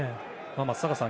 松坂さん